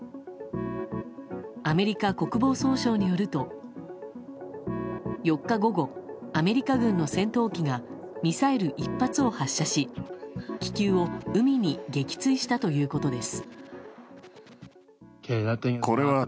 アメリカ国防総省によると４日午後、アメリカ軍の戦闘機がミサイル１発を発射し気球を海に撃墜したということです。